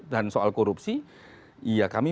soal korupsi ya kami